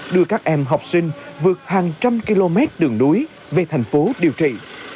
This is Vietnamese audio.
đưa các em học sinh vượt hàng trăm km đường núi về thành phố điều trị